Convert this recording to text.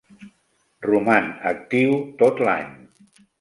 Roman actiu tot l'any.